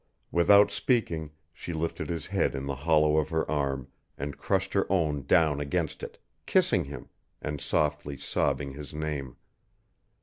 Without speaking she lifted his head in the hollow of her arm and crushed her own down against it, kissing him, and softly sobbing his name.